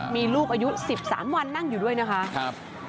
มีลูกอายุ๑๓วันนั่งอยู่ด้วยนะคะ